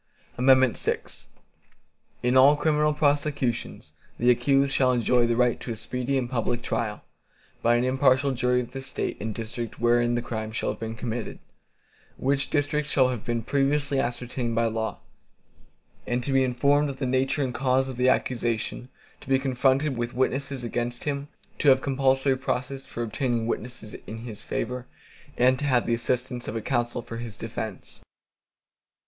VI In all criminal prosecutions, the accused shall enjoy the right to a speedy and public trial, by an impartial jury of the State and district wherein the crime shall have been committed, which district shall have been previously ascertained by law, and to be informed of the nature and cause of the accusation; to be confronted with the witnesses against him; to have compulsory process for obtaining witnesses in his favor, and to have the assistance of counsel for his defense.